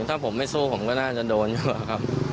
ถ้าผมไม่สู้ผมก็น่าจะโดนอยู่ครับ